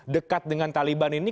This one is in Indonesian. dekat dengan taliban ini